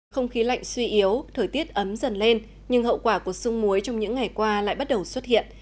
không khí lạnh suy yếu thời tiết ấm dần lên nhưng hậu quả của sương muối trong những ngày qua lại bắt đầu xuất hiện